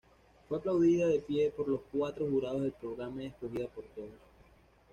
Fue aplaudida de pie por los cuatro jurados del programa y escogida por todos.